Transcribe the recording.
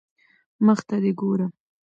مخ ته دي ګوره